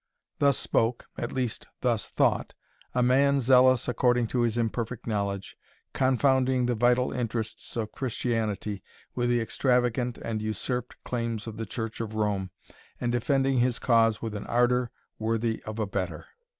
Thus spoke, at least thus thought, a man zealous according to his imperfect knowledge, confounding the vital interests of Christianity with the extravagant and usurped claims of the Church of Rome, and defending his cause with an ardour worthy of a better.